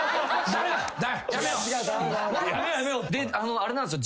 あれなんすよ